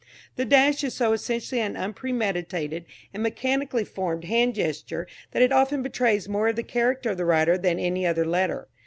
The dash is so essentially an unpremeditated and mechanically formed hand gesture that it often betrays more of the character of the writer than any other letter.